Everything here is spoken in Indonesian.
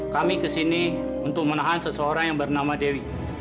kami ke sini untuk menahan seseorang yang bernama dewi